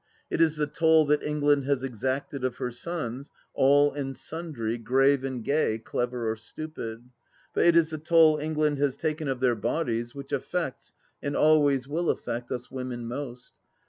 It is the toll that England has exacted of her sons, all and sundry, grave and gay, clever or stupid. But it is the toll England has taken of their bodies which affects, and always will affect, us women most.